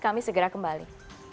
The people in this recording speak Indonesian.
kami segera kembali